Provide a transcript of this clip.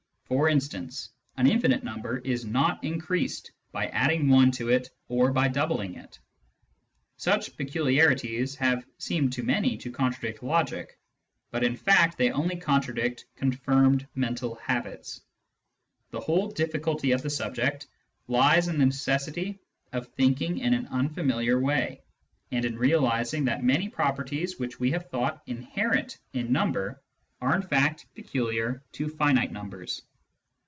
For instance, an infinite number is not increased by adding one to it, or by doubling it. Such peculiarities have seemed to many to contradict logic, but in fact they only contradict con firmed mental habits. The whole diflficulty of the subject lies in the necessity of thinking in an unfamiliar way, and in realising that many properties which we have thought inherent in number are in fact peculiar to finite numbers.